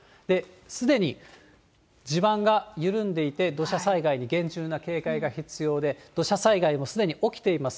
すでに地盤が緩んでいて、土砂災害に厳重な警戒が必要で、土砂災害もすでに起きています。